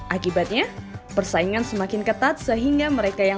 akibatnya persaingan semakin ketat sehingga mereka yang